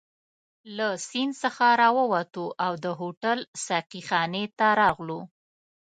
له سیند څخه راووتو او د هوټل ساقي خانې ته راغلو.